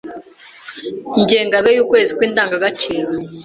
Ingengabihe y’ukwezi kw’Indangagaciro